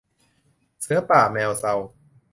เสือป่าแมวเซา